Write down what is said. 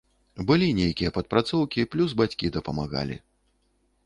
Былі нейкія падпрацоўкі, плюс бацькі дапамагалі.